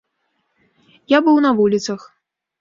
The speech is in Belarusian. Я быў на вуліцах.